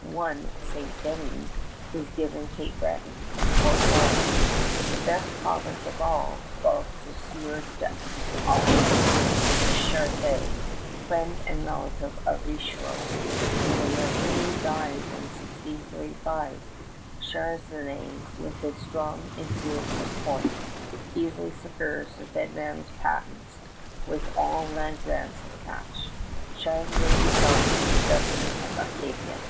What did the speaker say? One St. Denys is given Cape Breton; and Port Royal, the best province of all, falls to Sieur d'Aulnay de Charnisay, friend and relative of Richelieu; and when Razilli dies in 1635, Charnisay, with his strong influence at court, easily secures the dead man's patents with all land grants attached. Charnisay becomes governor of Acadia.